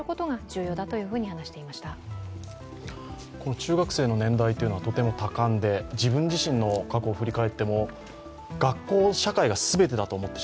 中学生の年代はとても多感で自分自身の過去を振り返っても学校を社会が全てだと思ってる。